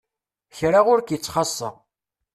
Kra ur k-itt-xasa.